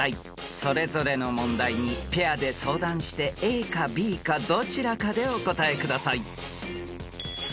［それぞれの問題にペアで相談してＡかＢかどちらかでお答えください］